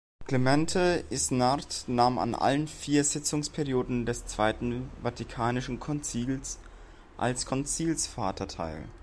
Clemente Isnard nahm an allen vier Sitzungsperioden des Zweiten Vatikanischen Konzils als Konzilsvater teil.